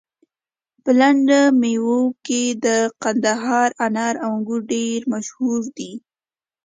په لنده ميوه کي د کندهار انار او انګور ډير مشهور دي